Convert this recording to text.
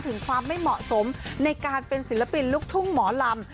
ถึงความไม่เหมาะสมในการเป็นศิลปินลูกทุ่งหมอลำ